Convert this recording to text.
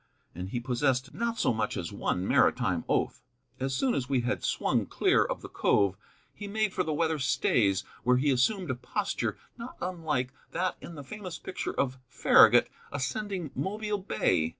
And he possessed not so much as one maritime oath. As soon as we had swung clear of the cove he made for the weather stays, where he assumed a posture not unlike that in the famous picture of Farragut ascending Mobile Bay.